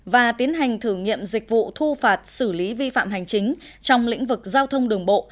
và tiến hành thử nghiệm dịch vụ thu phạt xử lý vi phạm hành chính trong lĩnh vực giao thông đường bộ